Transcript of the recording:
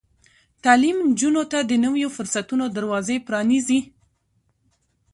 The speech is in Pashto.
تعلیم نجونو ته د نويو فرصتونو دروازې پرانیزي.